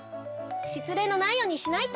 しつれいのないようにしないと。